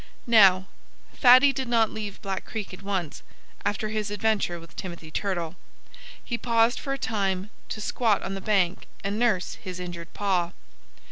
Now, Fatty did not leave Black Creek at once, after his adventure with Timothy Turtle. He paused for a time, to squat on the bank and nurse his injured paw.